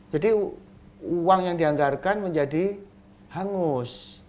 jadi uang yang dianggarkan menjadi hangus